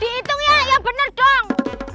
diitung ya yang bener dong